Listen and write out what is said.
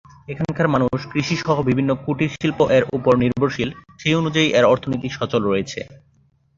এখানকার মানুষ কৃষি সহ বিভিন্ন কুটির শিল্প এর উপর নির্ভরশীল সেই অনুযায়ী এর অর্থনীতি সচল রয়েছে।